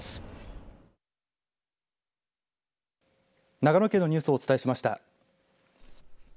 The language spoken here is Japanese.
長野県のニュースをお伝えしました。